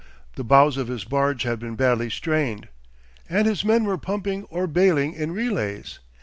The bows of his barge had been badly strained, and his men were pumping or baling in relays.